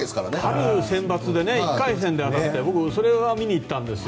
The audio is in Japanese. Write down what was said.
春のセンバツで１回戦で当たってそれは見に行ったんですよ。